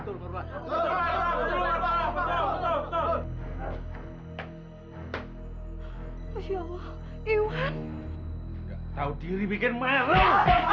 tahu diri bikin marah